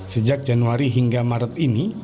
sejak januari hingga maret ini